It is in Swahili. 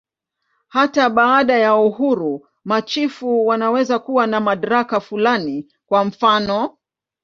Hata baada ya uhuru, machifu wanaweza kuwa na madaraka fulani, kwa mfanof.